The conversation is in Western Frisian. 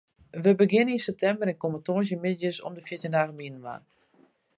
Wy begjinne yn septimber en komme tongersdeitemiddeis om de fjirtjin dagen byinoar.